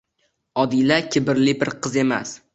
Odila kibrli bir qiz emas.